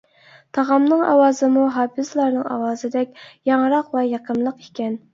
تاغامنىڭ ئاۋازىمۇ ھاپىزلارنىڭ ئاۋازىدەك ياڭراق ۋە يېقىملىق ئىكەن.